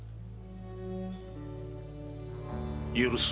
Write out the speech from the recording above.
許す。